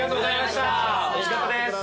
おいしかったです。